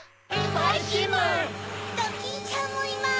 ドキンちゃんもいます！